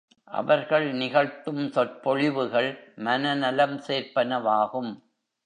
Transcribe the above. அவர்கள் நிகழ்த்தும் சொற்பொழிவுகள் மன நலம் சேர்ப்பன வாகும்.